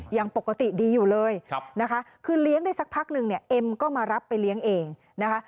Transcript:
ยังปกติดีอยู่เลยนะคะคือเลี้ยงได้สักพักนึงเนี่ยเอ็มก็มารับไปเลี้ยงเองนะคะ